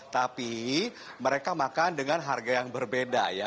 tapi mereka makan dengan harga yang berbeda ya